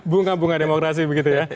bunga bunga demokrasi begitu ya